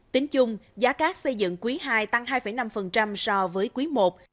tính chung giá các xây dựng quý ii tăng hai năm so với quý i